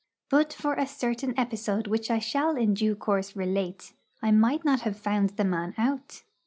But for a certain episode which I shall in due course relate, I might not have found the man out.